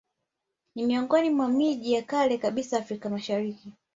Ni miongoni mwa miji ya kale kabisa Afrika Mashariki